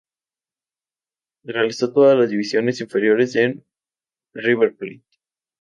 Realizó todas las divisiones inferiores en River Plate.